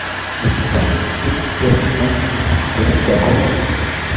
Որոշ ճեղքեր դեռևս ունեն չբացահայտված ծագում։